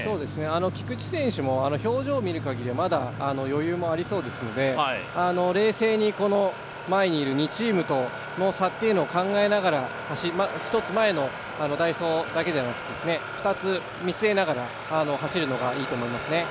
菊地選手も表情を見る限りでは余裕もありそうですので冷静に前にいる２チームとの差を考えながら１つ前のダイソーだけでなく、２つ、見据えながら走るのがいいと思いますね。